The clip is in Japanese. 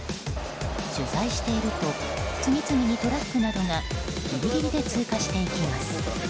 取材していると次々にトラックなどがギリギリで通過していきます。